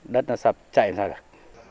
đất nó sập chạy sao được